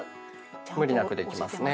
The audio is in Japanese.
無理なくできますね。